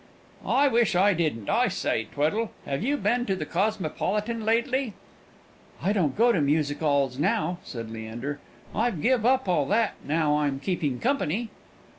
"Wish I didn't. I say, Tweddle, have you been to the Cosmopolitan lately?" "I don't go to music 'alls now," said Leander; "I've give up all that now I'm keeping company."